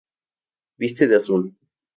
Viste de azul.